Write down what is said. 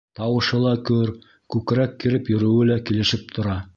Тауышы ла көр, күкрәк киреп йөрөүе лә килешеп тора.